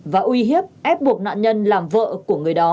và uy hiếp ép buộc nạn nhân làm vợ của người đó